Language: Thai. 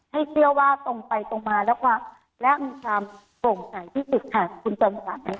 ให้เชื่อว่าตรงไปตรงมาแล้วกว่าและมีความสงสัยที่สุดค่ะคุณธรรมศัลไหม